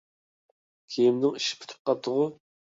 كىيىمنىڭ ئىشى پۈتۈپ قاپتۇغۇ!